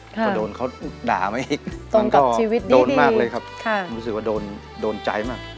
ก็โดนเขาด่ามาอีกมันก็โดนมากเลยครับรู้สึกว่าโดนใจมาก